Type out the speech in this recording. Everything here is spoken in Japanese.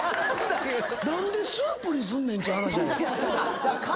何でスープにすんねんっちゅう話やねん。